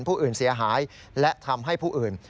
ผู้อื่นเสียหายและทำให้ผู้อื่น